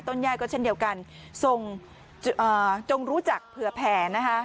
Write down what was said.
ย่ายก็เช่นเดียวกันทรงจงรู้จักเผื่อแผ่นะคะ